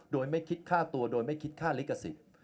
โดยไม่คิดค่าตัวโดยไม่คิดค่าลิขสิทธิ์